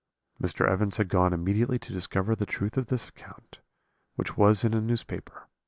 "Mr. Evans had gone immediately to discover the truth of this account, which was in a newspaper.